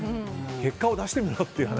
結果を出してみろっていう。